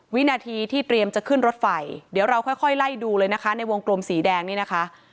วินาทีที่เตรียมจะขึ้นรถไฟเดี๋ยวเราค่อยไล่ดูเลยนะคะในวงกลมสีแดงนี่นะคะ